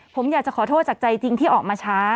ผมอยากจะขอโทษจากใจจริงที่ออกมาช้า